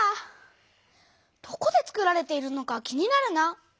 どこでつくられているのか気になるな。